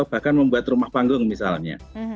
bahkan membuat rumah panggung misalnya